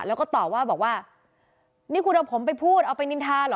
แล้วก็ตอบว่าบอกว่านี่คุณเอาผมไปพูดเอาไปนินทาเหรอ